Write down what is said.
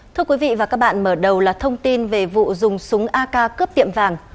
thưa quý vị và các bạn mở đầu là thông tin về vụ dùng súng ak cướp tiệm vàng